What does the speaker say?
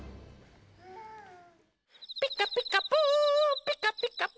「ピカピカブ！ピカピカブ！」